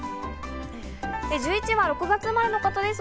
１１位は６月生まれの方です。